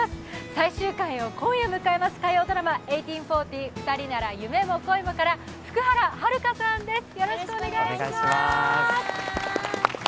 最終回を今夜迎えます、火曜ドラマ「１８／４０ふたりなら夢も恋も」から福原遥さんです、よろしくお願いします。